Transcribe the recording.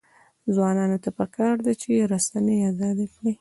ځوانانو ته پکار ده چې، رسنۍ ازادې کړي.